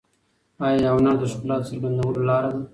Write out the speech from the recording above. آیا هنر د ښکلا د څرګندولو لاره ده؟